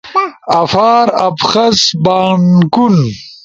آفار، ابخز، بانکون